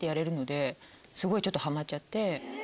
すごいちょっとハマっちゃって。